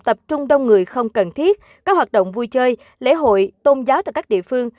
tập trung đông người không cần thiết các hoạt động vui chơi lễ hội tôn giáo tại các địa phương